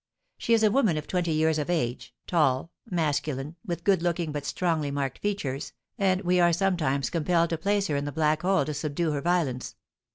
She is a woman of twenty years of age, tall, masculine, with good looking but strongly marked features, and we are sometimes compelled to place her in the black hole to subdue her violence.